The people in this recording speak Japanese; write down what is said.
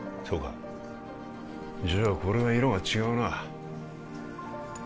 そうかじゃあこれは色が違うな